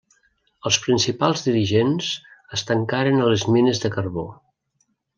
Els principals dirigents es tancaren a les mines de carbó.